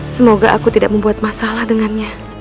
semoga aku tidak membuat masalah dengannya